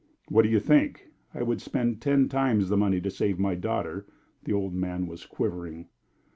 "What do you think? I would spend ten times the money to save my daughter." The old man was quivering.